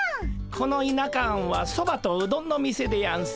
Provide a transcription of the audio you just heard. この田舎庵はそばとうどんの店でやんす。